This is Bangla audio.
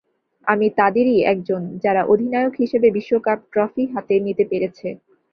আমি তাদেরই একজন, যারা অধিনায়ক হিসেবে বিশ্বকাপ ট্রফি হাতে নিতে পেরেছে।